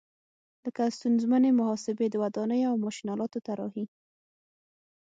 لکه ستونزمنې محاسبې، د ودانیو او ماشین آلاتو طراحي.